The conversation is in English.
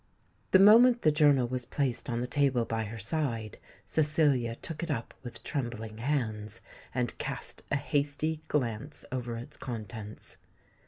The moment the journal was placed on the table by her side, Cecilia took it up with trembling hands, and cast a hasty glance over its contents.